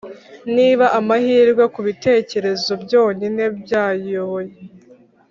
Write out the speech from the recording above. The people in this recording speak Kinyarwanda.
niba amahirwe, kubitekerezo byonyine byayoboye,